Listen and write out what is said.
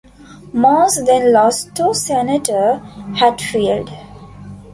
Morse then lost to Senator Hatfield.